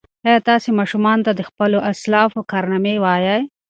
ایا تاسي ماشومانو ته د خپلو اسلافو کارنامې وایئ؟